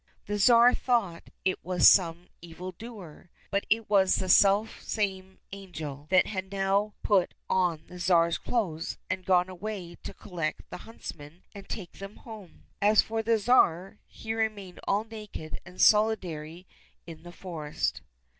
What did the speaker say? The Tsar thought it was some evil doer, but it was the self same angel that had now put on the Tsar's clothes and gone away to collect the huntsmen and take them home. As for the Tsar, he remained all naked and solitary in the forest.